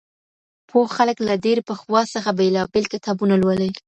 پوه خلګ له ډېر پخوا څخه بېلابېل کتابونه لولي.